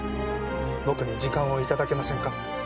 僕に時間をいただけませんか？